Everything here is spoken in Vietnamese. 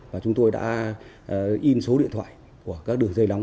và chúng tôi đã in số điện thoại của các đường dây đóng